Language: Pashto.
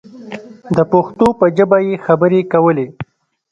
د پښتو په ژبه یې خبرې کولې.